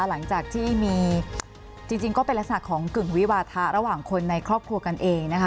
หลังจากที่มีจริงก็เป็นลักษณะของกึ่งวิวาทะระหว่างคนในครอบครัวกันเองนะคะ